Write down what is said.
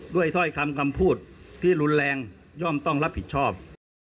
ถ้อยคำคำพูดที่รุนแรงย่อมต้องรับผิดชอบ